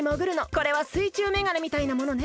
これはすいちゅうメガネみたいなものね。